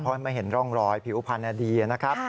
เพราะไม่เห็นร่องรอยผิวพันธ์ดีนะครับ